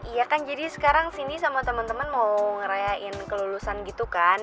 iya kan jadi sekarang sindi sama temen temen mau ngerayain kelulusan gitu kan